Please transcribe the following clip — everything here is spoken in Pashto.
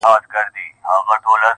رغړېدم چي له کعبې تر سومناته -